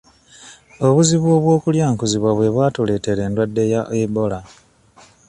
Obuzibu bw'okulyankuzibwa bwe bwatuleetera endwadde ya Ebola.